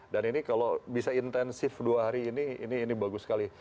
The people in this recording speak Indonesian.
dan ini kalau bisa intensif dua hari ini ini bagus sekali